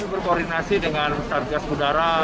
berkoordinasi dengan statikas udara